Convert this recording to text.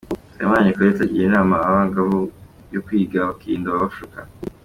Nsabimana Nicolette agira inama aba bangavu yo kwiga bakirinda ababashuka.